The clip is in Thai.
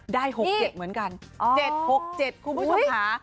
๖๗เหมือนกัน๗๖๗คุณผู้ชมค่ะ